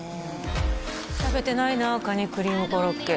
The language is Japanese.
食べてないなカニクリームコロッケ